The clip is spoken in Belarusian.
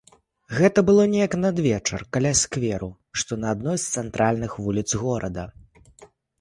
Гэта было неяк надвечар каля скверу, што на адной з цэнтральных вуліц горада.